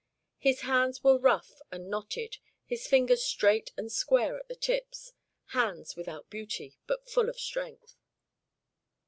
His hands were rough and knotted, his fingers straight and square at the tips hands without beauty, but full of strength.